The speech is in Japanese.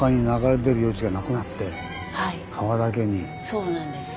そうなんです。